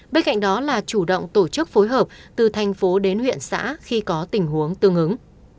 bên cạnh đó là chủ động tổ chức phối hợp từ thành phố đến huyện xã khi có tình huống tương ứng